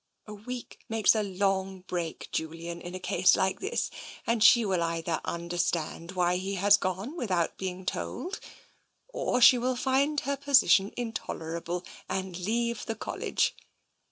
A week makes a long break, Julian, in a case like this, and she will either understand why he has gone without being told, or she will find her position intolerable, and leave the College.